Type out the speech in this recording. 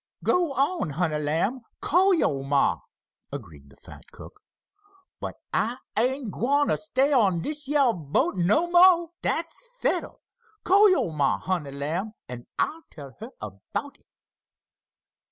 "Go on, honey lamb, call yo' ma," agreed the fat cook. "But I ain't gwine t' stay on dish yeah boat no mo'! Dat's settled. Call yo' ma, honey lamb, an' I'll tell her about it."